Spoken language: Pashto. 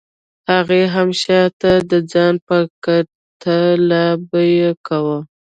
هغې هم شاته د ځان په ګټه لابي کاوه.